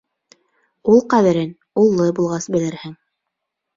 Ул ҡәҙерен уллы булғас белерһең.